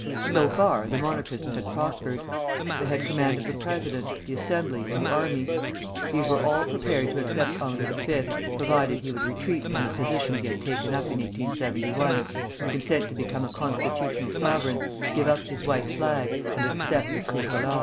So far the Monarchists had prospered. They had command of the president, the Assembly, and the army. These were all prepared to accept Henri V., provided he would retreat from the position he had taken up in 1871, consent to become a constitutional sovereign, give up his White Flag, and accept the Tricolor.